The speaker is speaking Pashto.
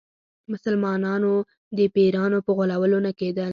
مسلمانانو د پیرانو په غولولو نه کېدل.